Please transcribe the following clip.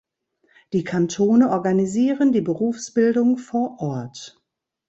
Die Kantone organisieren die Berufsbildung vor Ort.